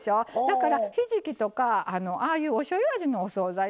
だからひじきとかああいうおしょうゆ味のお総菜